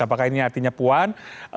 apakah ini artinya puan